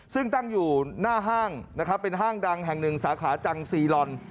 ซึ่งตั้งอยู่หน้าห้างนะครับเป็นห้างดังแห่งหนึ่งสาขาจังซีลอน